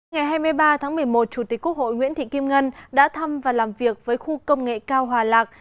ngày hai mươi ba tháng một mươi một chủ tịch quốc hội nguyễn thị kim ngân đã thăm và làm việc với khu công nghệ cao hòa lạc